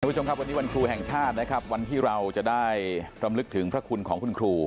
คุณผู้ชมครับวันนี้วันครูแห่งชาตินะครับวันที่เราจะได้รำลึกถึงพระคุณของคุณครู